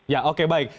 ya oke baik